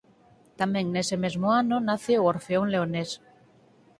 Tamén nese mesmo ano nace o Orfeón Leonés.